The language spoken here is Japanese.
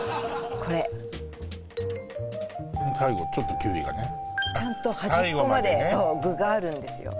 これ最後ちょっとキウイがねちゃんと端っこまで具があるんですよ